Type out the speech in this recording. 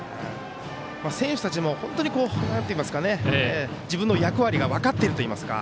選手たちも、本当に自分の役割が分かっているといいますか。